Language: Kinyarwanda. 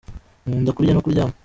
nkunda kurya no kuryama.